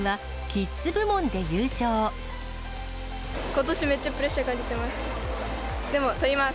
ことし、めっちゃプレッシャー感じています。